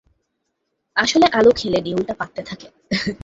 আসলে আলু খেলে নেউলটা পাদতে থাকে।